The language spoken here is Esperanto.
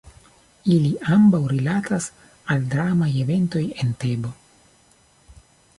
Ili ambaŭ rilatas al dramaj eventoj en Tebo.